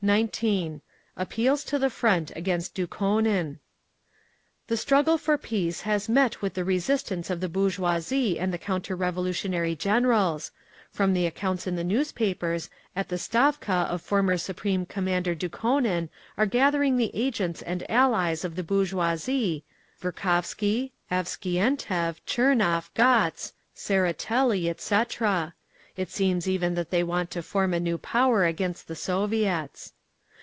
APPEALS TO THE FRONT AGAINST DUKHONIN "… The struggle for peace has met with the resistance of the bourgeoisie and the counter revolutionary Generals…. From the accounts in the newspapers, at the Stavka of former Supreme Commander Dukhonin are gathering the agents and allies of the bourgeoisie, Verkhovski, Avksentiev, Tchernov, Gotz, Tseretelli, etc. It seems even that they want to form a new power against the Soviets.